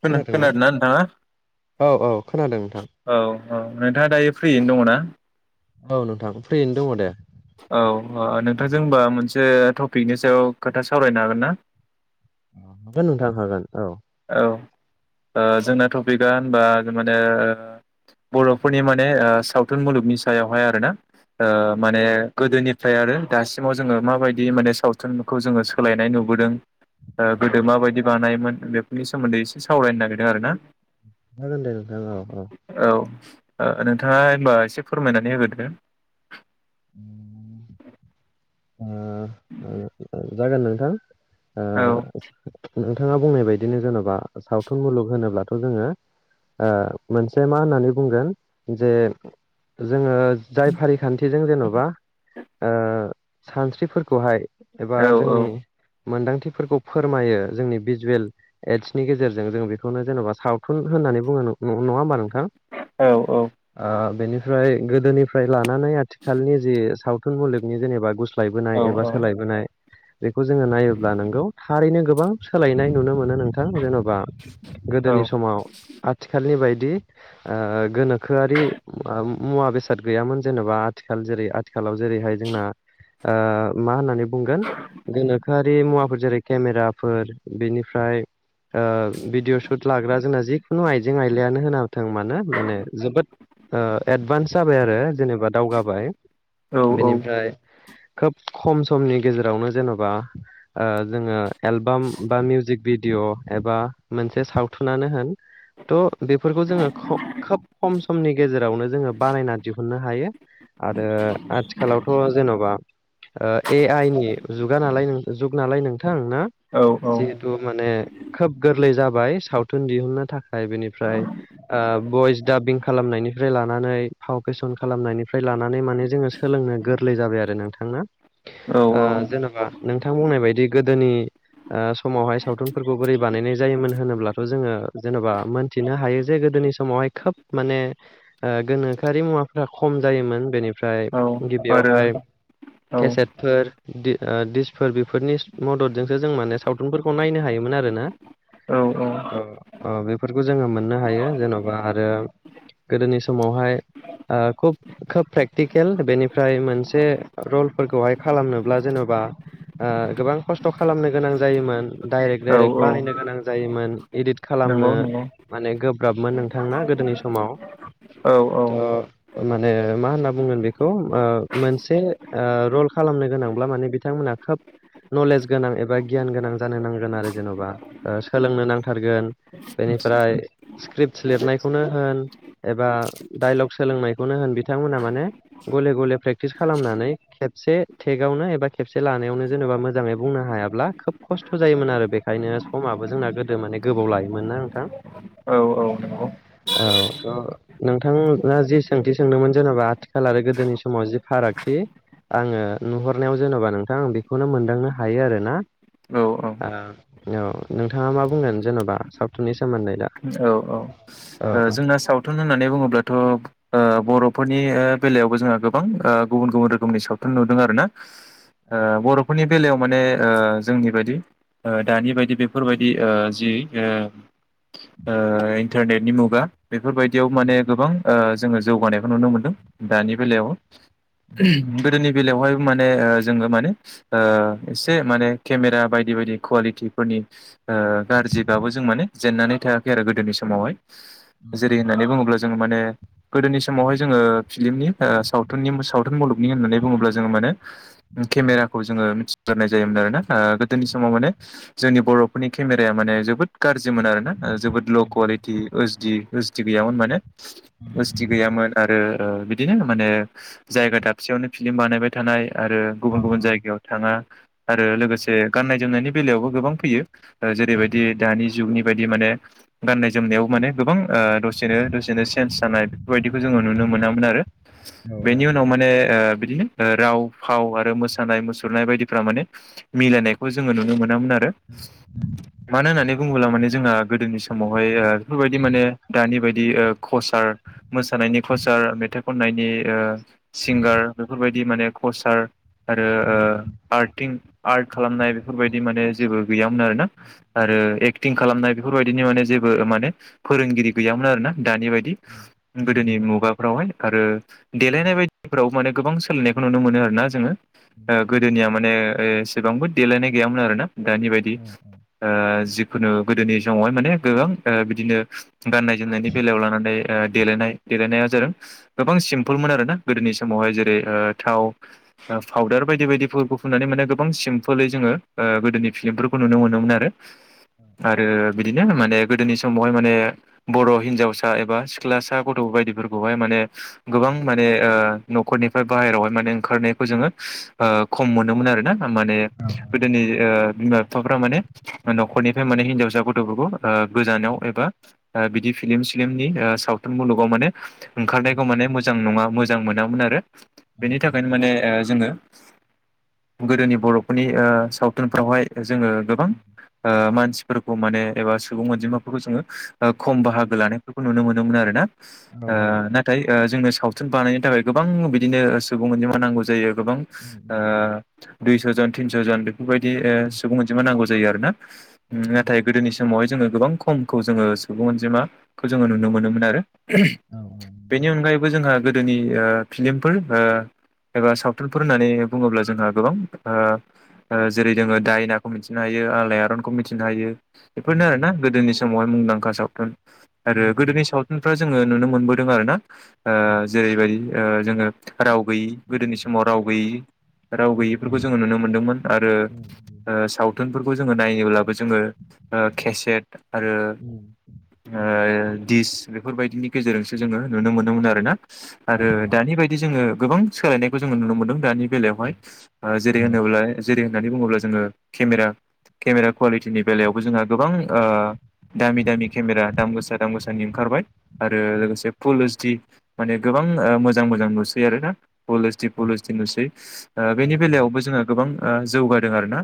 खोनादोंना नोंथाङा औ औ खोनादों नोंथां औ औ नोंथाङा दायो फ्रियैनो दङ ना? औ नोंथां फ्रियैनो दङ' दे । औ नोंथांजों होमबा मोनसे टपिकनि सायाव खोथा सावरायनो हागोन ना? हागोन नोंथां हागोन औ औ ओ जोंनाथ' टपिकआ होनबा माने ओ बर'फोरनि माने ओ सावथुन मुलुगनि सायावहाय आरोना ओ माने गोदोनि ओमफ्राय आरो दासिमाव जोङो माबायदि माने सावथुनखौ जोङो सोलायनाय नुबोदों। ओ गोदो माबायदि बानायोमोन बेफोरनि सोमोन्दै एसे सावरायनो नागिरदों आरो ना । जागोन दे नोंथां औ औ ओ नोंथाङा होनबा एसे फोरमायनानै होग्रोदो । [unintelligible] ओ जागोन नोंथां ओ औ नोंथाङा बुंनाय बायदिनो जेन'बा सावथुन मुलुग होनोब्लाथ' जोङो ओ मोनसे मा होननानै बुंगोन जे जोङो जाय फारिखान्थिजों जेन'बा ओ सानस्रिफोरखौहाय एबा औ जोंनि मोनदांथिफोरखौ फोरमायो जोंनि भिजुयेल एडसनि गेजेरजों जों बेखौनो जेन'बा सावथुन होन नानै बुङो नङा होनोमब नों थां औ ओ बेनिफ्राय गोदोनिफ्राय लानानै आथिखालनि जि साव थुन मुलुगनि जेनेबा गुस्लायबोनाय औ एबा सोलायबोनाय बेखौ जोङो नायोब्ला नोंगौ थारैनो गो बां सोलायनाय नुनो मोनो नोंथां जेन'बा औ गोदोनि समाव आथिखालनि बाय दि ओ गोनोखोआरि मुवा बेसाद गैयामोन जेनेबा आथिखाल जेरै आ थिखालाव जेरैहाय जोंना ओ मा होननानै बुंगोन गोनोखोआरि मुवाफोर जेरै केमेरा फोर बिनिफ्राय ओ भिडिअ' सुट लाग्रा जोंना जिखुनु आइजें आयलायानो होना थों मानो माने जोबोद ओ एडभान्स जाबाय आरो जेनेबा दावगाबाय औ । बेनिफ्राय खोब खम समनि गेजेरावनो जेनेबा ओ जोङो एलबाम बा मिउजिक भिडिअ' एबा मोनसे सावथुनानो होन थ' बेफोरखौ जोङो खोब खम समनि गेजेरावनो जोङो बानायना दिहुननो हायो। आरो आथिखालावथ' जेन'बा ए आइ नि जुगा नालाय नों जुग नालाय नोंथां ना औ जिहेथु माने खोब गोरलै जा बाय सावथुन दिहुननो थाखाय बेनिफ्राय बयस दाबिं खालामनायनिफ्राय लानानै फावकेसन खालामनायनिफ्राय लानानै माने जोङो सोलोंनो गोरलै जाबाय आरो नोंथां ना औ ओ जेन'बा नोंथां बुंनाय बायदि गोदोनि ओ समावहाय सावथुनफोरखौ बोरै बानायनाय जा योमोन होनोब्लाथ' जोङो जेनेबा मोनथिनो हायो जे गोदोनि समावहाय खोब माने ओ गोनोखोआरि मुवाफ्रा खम जायोमोन बेनिफ्राय आरो गिबियावहाय औ केसेटफोर दि दिसफोर बेफोरनि मददजोंसो जों माने सावथुनफोरखौ नायनो हायोमोन आरो ना औ थ बेफोरखौ जोङो मोननो हायो जेन'बा आरो गोदोनि समावहाय ओ खुब खोब प्रेक्टिकेल बेनिफ्राय मोनसे रल फोरखौहाय खालामनोब्ला जेन'बा ओ गोबां खस्थ' खालामनो गोनां जायोमोन। दडाइरेक्ट औ डाइरेक्ट बानायनो गोनां जायोमोन इदिट नंगौ खालामनो नंगौ माने गोब्राबमोन नोंथांना गोदोनि समाव औ औ थ' माने मा होनना बुंगोन बेखौ ओ मोनसे ओ रल खालामनो गोनांब्ला माने बिथांमोना खोब नलेज गोनां एबा गियान गोनां जानो नांगोन आरो जेन'बा सोलोंनो नांथारगोन बे बेनिफ्राय स्क्रिप्टस लिरनायखौनो होन एबा डाइलग सोलोंनायखौनो होन बिथांमोना माने गले गले प्रेक्टिस खालामनानै से थेगावनो एबा खेबसे लानायावनो जेनेबा मोजाङै बुंनो हायाब्ला खोब खस्थ' जायोमोन आरो बेखायनो समाबो जोंना गोदो माने गोबाव लायोमोनना नोंथां। औ औ नंगौ। औ नोंथाङा जि सोंथि सोंदोंमोन जेनेबा आथिखाल आरो गोदोनि समाव जि फार रागथि, आङो नुहरनायाव जेन'बा नोंथां आ बेखौनो मोनदांनो हायो आरोना औ ओ ओ औ नोंथाङा मा बुंगोन जेन'बा सावथुननि सोमोन्दै दा? औ औ ओ औ जोंना सावथुन होननानै बुङोब्लाथ' ओ बर' फोरनि ओ बेलायावबो जोङो ओ गोबां गुबुन गुबुन रोखोमनि सावथुन नुदों आरोना। ओ बर'फोरनि बेलायाव माने ओ जोंनि बादि ओ दानि बायदि बेफोरबायदि ओ जि ओ ओ इन्टारनेटनि मुगा बेफोरबायदियाव माने गोबां ओ जोङो जौगानायखौ नुनो मोनदों दानि बेलायाव। गोदोनि बेलायावहायबो माने जोङो माने ओ एसे माने केमेरा बायदि बायदि कुवालिटिफोरनि ओ गारजिबाबो जों माने जेननानै थायाखै आरो गोदोनि समावहाय जेरै होननानै बुङोब्ला जोङो माने गोदोनि समावहाय जोङो फिलिमनि ओ सावथुननि सावथुन मुलुगनि होननानै बुङोब्ला जोङो माने केमेराखौ जोङो मिथि थारनाय जायोमोन आरोना ओ गोदोनि समाव माने जोंनि बर'फोरनि केमेराया माने जोबोद गारजिमोन आरोना। ओ जोबोद ल' कवालिटि ओस डि ओस डि गैयामोन माने ओस डि गैयामोन आरो ओ बिदिनो माने जायगा दाबसेयावनो फिलिम बानायबाय थानाय आरो गुबुन गुबुन जायगायाव थाङा आरो लोगोसे गाननाय जोमनायनि बेलायावबो गोबां फैयो। ओ जेरैबायदि दानि जुगनि बायदि माने गाननाय जोमनायाव माने गोबां ओ दसेनो दसेनो सेन्स जानाय बेपोरबायदिखौ जोङो नुनो मोनामोन आरो बेनि उनाव माने ओ बिदिनो राव फाव आरो मोसानाय मुसुरनाय बायदिफोरा माने मिलायनायखौ जोङो नुनो मोनामोन आ रो मानो होननानै बुङोब्ला माने जोंहा गोदोनि समावहाय ओ बेफोरबायदि माने दानि ओ बायदि खसार मोसानायनि खसार मेथाइ खननायनि ओ सिंगार बेफोरबायदि माने खसार आरो ओ आर्टिं आर्ट खालामनाय बेफोरबायदि माने जेबो गैयामोन आरोना आरो एक्टिं खालामनाय बेफोरबायदिनि माने जेबो माने फोरोंगिरि गैयामोन आरोना दानि बाय दि। गोदोनि मुगाफ्रावहाय आरो देलायनाय बायदिफोरावबो माने गोबां सोलायनायखौ नुनो मोनो आरोना जोङो गोदोनिया ओ माने एसेबांबो देलायनाय गैयामोन आरोना। दानि बायदि ओ जिखुनु गोदोनि समावहाय माने गोबां ओ बिदिनो गाननाय जोमनायनि बेलायाव लानानै ओ देलनाय देलेनाया जादों। गोबां सिम्पोलमोन आरोना गोदोनि समावहाय जेरै ओ थाव फाउदार बायदि बायदिफोरबो फुननानै माने गोबां सिमपोलै जोङो गोदोनि फिलिमफोरखौ नुनो मोनोमोन आरो आरो बिदिनो माने गोदोनि समावहाय माने बर' हिनजावसा एबा सिख्लासा गथ' बायदिफोरखौहाय माने गोबां माने ओ न'खरनिफ्राय बाहेरावहाय माने ओंखारनायखौ जोङो ओ खम मोनोमोन आरोना। माने गोदोनि ओ बिमा बिफाफ्रा माने न'खरनिफ्राय माने हिनजावसा ग थ'फोरखौ ओ गोजानाव एबा बिदि फिलिम सिलिमनि ओ सावथुन मुलुगाव माने ओंखारनायखौ माने मोजां नङा मोजां मोनामोन आरो बेनि थाखायनो माने ओ जोङो गोदोनि बर'फोरनि ओ सावथुनफ्रावहाय जोङो गोबां ओ मानसि फोरखौ माने एबा सुबुं अनजिमाफोरखौ जोङो ओ खम बाहागो लानायफोरखौ नुनो मोनोमोन आरोना ओ नाथाय जों सावथुन बानाय थाखाय गोबां बिदिनो सुबुं अनजिमा नांगौ जायो गोबां ओ दुइस' जन थिनस' जन बेफोरबायदि ओ सुबुं अनजिमा नांगौ जायो आरोना। नाथाय गोदोनि समावहाय [inaudible] गोबां खमखौ जोङो सुबुं अनजिमा खौ जोङो नुनो मोनोमोन आरो बेनि अनगायैबो जोंहा गोदोनि फिल्मफोर एबा सावथुनफोर होननानै बुङोब्ला जोंहा गोबां जेरै जोङो दायनाखौ मिथिनो हायो आलायारनखौ मिथिनो हायो। बेफोरनो आरो ना गोदोनि समावहाय मुंदांखा सावथुन आरो गोदोनि सावथुनफ्रा जोङो नुनो मोनबोदों आरोना जेरैबायदि ओ जोङो राव गैयि गोदोनि समाव राव गैयि राव गैयिफोरखौ जोङो नुनो मोन्दोंमोन आरो सावथुनफोरखौ जोङो नायोब्लाबो जोङो ओ केसेट आरो दिस बेफोरबायदिनि गेजेरजोंसो जोङो नुनो मोनोमोन आरोना आरो दानि बे बायदि जोङो गोबां सोलायनायखौ जोङो नुनो मोनदों दानि बेलायावहाय जेरै होनोब्ला जेरै होननानै बुङोब्ला अब्ला जोङो केमेरा केमेरा कुवालिटिनि बेलायावबो जोंहा गोबां दामि दामि केमेरा दाम गोसा दाम गोसानि ओंखारबाय आरो लोगोसे फुल ओसडि माने गोबां गोबां मोजां मोजां नुसै आरोोयना पुलिसटि पुलिसटि नुसै बेनि बेलायावबो जोङो गोबां जौगादों आरोना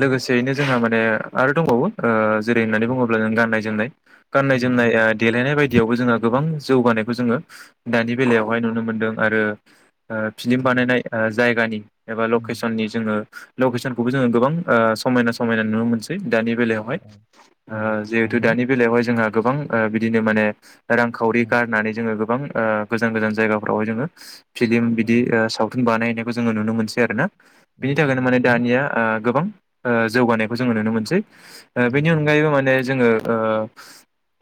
लोगोसेयैनो जोंहा माने आरो दंबावो जेरै होननानै बुङोब्ला जों गाननाय जोमनाय गाननाय जोमनाय देलायनाय बायदियावबो जोङो गोबां जौगानायखौ जोङो दानि बेलायावहाय नुनो मोनदों आरो फिलि्म बानायनाय जायगानि एबा लकेसननि जोङो लकेसनखौबो जोङो गोबां समायना समायना नुनो मोनसै दानि बेलायावहाय जिहेथु दानि बेलायावहाय जोंहा गोबां बिदिनो माने रांखावरि गारनानै जोङो गोबां गोजान गोजान जायगाफ्राव जोङो फिलिम बिदि सावथुन बानायनायखौ जोङो नुनो मोनसै आरो ना बिनि थाखायनो माने दानिया गोबां गोबां जौगानायखौ जोङो नुनो मोनसै बेनि अनगायैबो माने जोङो ओ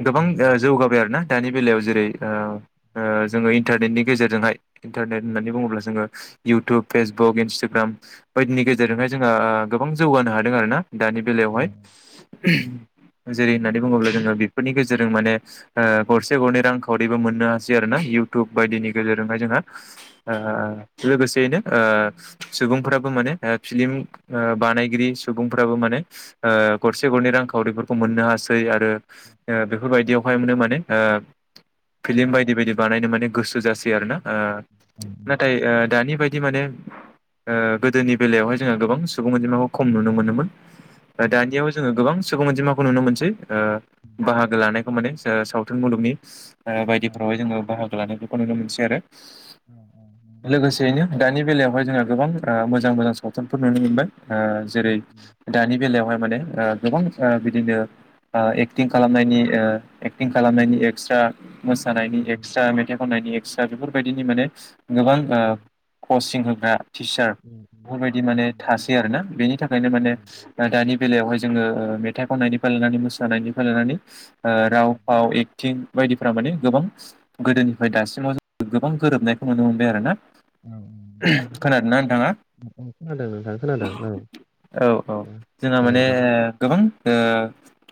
गोबां जौगाबाय आरोना दानि बेलायाव जेरै ओंखाम जोङो इन्टारनेटनि गेजेरजोंहाय इन्टारनेट होननानै बुङोब्ला जोङो इउटुब फेसबुक इन्सटाग्राम बायदिनि गेजेरजोंहाय जोङो गोबां जौगानो हादों आरोना दानि बेलायावहाय जेरै होननानै बुङोब्ला जोङो बेफोरनि गेजेरजों माने गरसे गरनै रांखावरिबो मोननो हासै आरोना इउटुब बायदिनि गेजेरजोंहाय जोंहा लोगोसेयैनो सुबुंफोराबो माने फिलिम बानायगिरि सुबुंफोराबो माने गरसे गरनै रांखावरिफोरखौ मोननो हासै आरो बेफोरबायदियावहाय मोनो माने फिल्म बायदि बायदि बानायनो माने गोसो जासै आरो ना नाथाय दानि बायदि माने गोदोनि बेलायावहाय जोंहा गोबां सुबुं अनजिमाखौ खम नुनो मोनोमोन। दा दानियाव जोङो गोबां सुबुं अनजिमाखौ नुनो मोनसै बाहागो लानायखौ माने सावथुन मुलुगनि बायदिफ्रावहाय जोङो बाहागो लानायफोरखौ नुनो मोनसै आरो लोगोसेयैनो दानि बेलायावहाय जोंहा गोबां मोजां मोजां मोजां सावथुनफोर नुनो मोनबाय जेरै दानि बेलायावहाय माने गोबां बिदिनो एक्टिं खालामनायनि एक्टिं खालामनायनि एक्सट्रा मोसानायनि एक्सट्रा मेथाइ खननायनि एक्सट्रा बेफोरबायदिनि माने गोबां कचिं होग्रा टिचार बेफोरबायदि माने थासै आरोना बेनि थाखायनो माने दानि बेलायावहाय जोङो मेथाइ खननायनिफ्राय लानानै मोसानायनिफ्राय लानानै राव फाव थिं बायदिफोरा माने गोबां गोदोनिफ्राय दासिमाव जों गोबां गोरोबनायखौ नुनो मोनबाय आरो ना औ खोनादोंना नोंथाङा औ औ खोनादों नोंथां खोनादों औ। औ औ जोंहा माने गोबां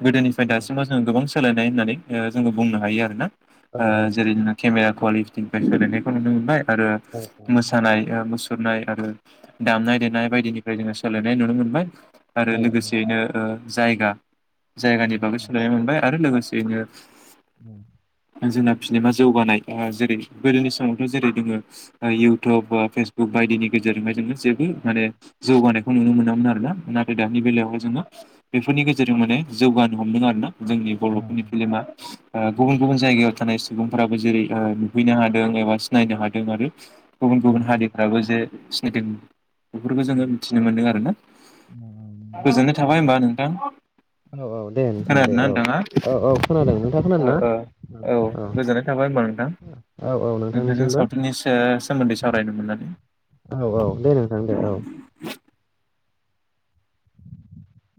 गोदोनिफ्राय दासिमाव जों गोबां सोलायनाय होननानै जोंङो बुंनो हायो आरोना जेरैनो केमेरा कुवालिटि फ्राय सोलायनायखौ नुनो मोनबाय आरो मोसानाय मुसुरनाय आरो दामनाय देनाय बायदिनिफ्राय जोङो सोलायनाय नुनो मोनबाय आरो लोगोसेयैनो जायगा जायगानि बागै सोलायनाय मोनबाय आरो लोगोसेयैनो उम जोंना फिनेमा जौगानाय ओ जेरै गोदोनि समावथ' जेरै दोङो ओ इउटुब बा फेसबुक बायदिनि गेजेरजोंहाय जोङो जेबो माने जौगानाय खौ नुनो मोनामोन आरोना नाथाय दानि बेलायावहाय जोङो बेफोरनि गेजेरजों माने जौगानो हमदों आरो ना जोंनि बर'फोरनि फिलेमा ओ गुबुन-गुबुन जायगायाव थानाय सुबुंफोराब जेरै नुहैनो हादों एबा सिनायनो हादों आरो गुबुन-गुबुन हारिफ्राबो जे सनेटेल बेफोरखौ जोङो मिथिनो मोन्दों आरोना। गोजोननाय थाबाय होमबा नोंथां। औ औ औ दे नोंथां दे खोनादोना औ नोंथाङा औ औ खोनादों नोंथाङा खोनादों ओ ना ओ औ औ गोजोननाय थाबाय होमबा नोंथां औ औ नोंथांजों नोंथांनिसिमबो सावथुननि स सोमोन्दै सावरायनो मोननानै। औ औ दे नोंथां दे औ।